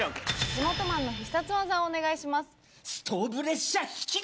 地元マンの必殺技をお願いします。